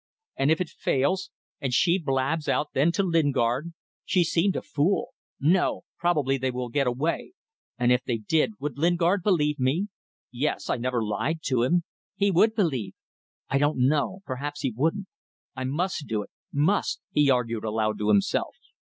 And if it fails. And she blabs out then to Lingard? She seemed a fool. No; probably they will get away. And if they did, would Lingard believe me? Yes. I never lied to him. He would believe. I don't know ... Perhaps he won't. ... "I must do it. Must!" he argued aloud to himself.